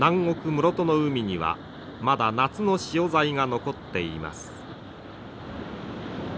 室戸の海にはまだ夏の潮騒が残っています。